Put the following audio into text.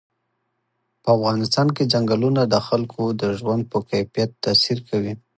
په افغانستان کې ځنګلونه د خلکو د ژوند په کیفیت تاثیر کوي.